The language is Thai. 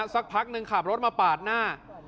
สักพักหนึ่งขับรถมาปาดหน้า